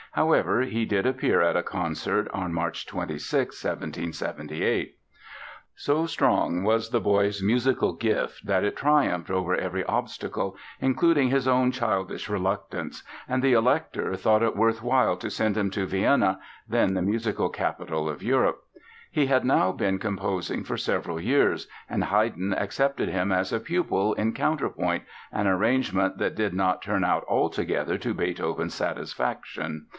However, he did appear at a concert on March 26, 1778. So strong was the boy's musical gift that it triumphed over every obstacle, including his own childish reluctance, and the Elector thought it worth while to send him to Vienna, then the musical capital of Europe. He had now been composing for several years, and Haydn accepted him as a pupil in counterpoint, an arrangement that did not turn out altogether to Beethoven's satisfaction.